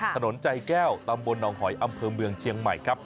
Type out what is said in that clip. ถนนใจแก้วตำบลหนองหอยอำเภอเมืองเชียงใหม่ครับ